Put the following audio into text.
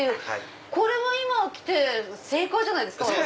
これは今来て正解じゃないですか私。